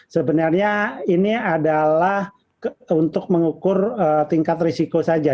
sebenarnya ini adalah untuk mengukur tingkat risiko saja